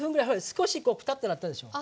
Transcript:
少しこうくたってなったでしょう。